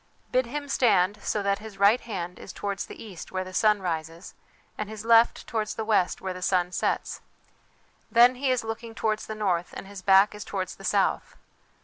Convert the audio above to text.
Bid him stand so that his right hand is towards the east where the sun rises, and his left towards the west where the sun sets. Then he is looking towards the north and his back is towards the south.